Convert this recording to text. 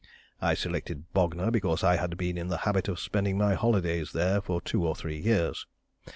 I selected Bognor, because I had been in the habit of spending my holidays there for two or three years.